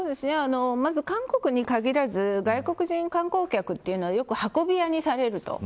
まず韓国に限らず外国人観光客というのはよく運び屋にされる。